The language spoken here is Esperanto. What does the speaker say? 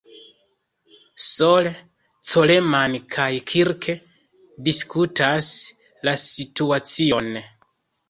Sole, Coleman kaj "Kirk" diskutas la situacion.